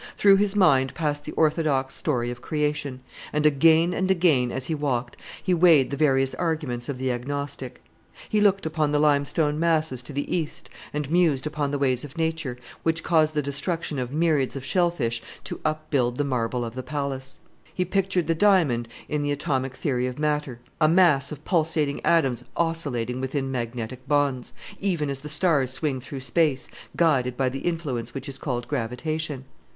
Through his mind passed the orthodox story of creation; and, again and again, as he walked, he weighed the various arguments of the agnostic. He looked upon the limestone masses to the east, and mused upon the ways of Nature, which caused the destruction of myriads of shell fish to upbuild the marble of the palace. He pictured the diamond in the atomic theory of matter a mass of pulsating atoms oscillating within magnetic bonds even as the stars swing through space, guided by the influence which is called gravitation.